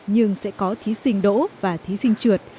nhưng sẽ có thí sinh đỗ và thí sinh trượt